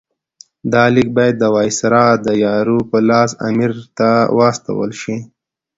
دا لیک باید د وایسرا د یاور په لاس امیر ته واستول شي.